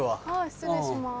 失礼します。